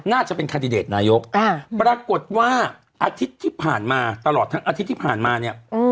น่าจะเป็นคาดิเดตนายกปรากฏว่าอาทิตย์ที่ผ่านมาตลอดทั้งอาทิตย์ที่ผ่านมาเนี่ย